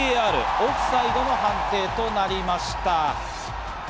オフサイドの判定となりました。